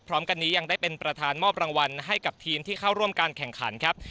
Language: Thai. พร้อมกันนี้ยังได้เป็นประธานมอบรางวัลให้กับทีมที่เข้าร่วมการแข่งขันครับ